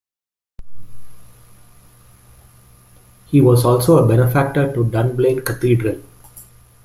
He was also a benefactor to Dunblane Cathedral.